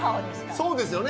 そうですよね？